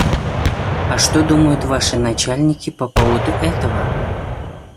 А что думают ваши начальники по поводу этого?